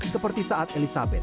seperti saat elizabeth